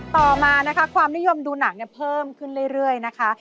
ต่อมาความนิยมดูหนังเพิ่มขึ้นเรื่อยนะคะ